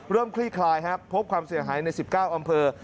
คลี่คลายครับพบความเสียหายใน๑๙อำเภอ